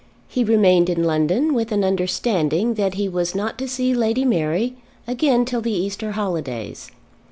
He remained in London, with an understanding that he was not to see Lady Mary again till the Easter holidays.